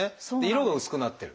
色が薄くなってる。